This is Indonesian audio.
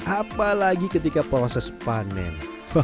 apalagi ketika proses panen